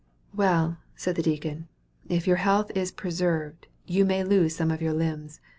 "Well," said the deacon, "if your health is preserved, you may lose some of your limbs.